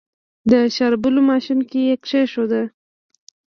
د شاربلو ماشين کې يې کېښود.